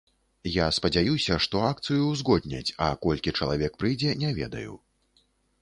Я спадзяюся, што акцыю ўзгодняць, а колькі чалавек прыйдзе, не ведаю.